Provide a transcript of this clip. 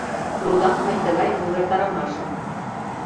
Лудам мый тыгай увертарымашым.